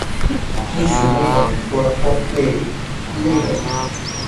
Kisumu conectó a Port Bell y Nairobi.